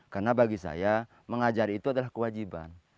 karena bagi saya mengajar itu adalah kewajiban